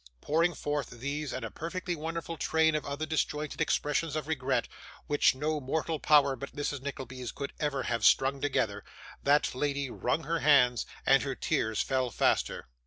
Pouring forth these and a perfectly wonderful train of other disjointed expressions of regret, which no mortal power but Mrs. Nickleby's could ever have strung together, that lady wrung her hands, and her tears fell faster.